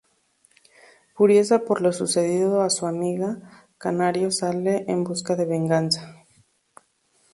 Furiosa por lo sucedido a su amiga, Canario sale en busca de venganza.